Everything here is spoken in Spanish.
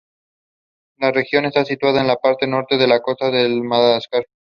La región está situada en la parte norte de la costa este de Madagascar.